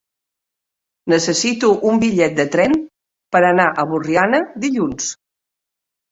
Necessito un bitllet de tren per anar a Borriana dilluns.